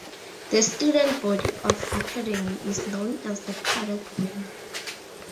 The student body of the Academy is known as the Cadet Wing.